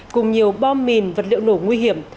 cùng nhiều bom mìn vật liệu nổ nguy hiểm